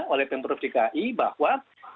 oleh pemburuk dki bahwa